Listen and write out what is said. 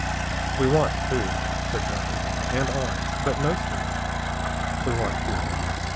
"We want food," said Bell evenly, "and arms, but mostly we want fuel.